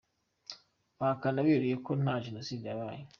Bahakana beruye ko nta Jenoside yabaye.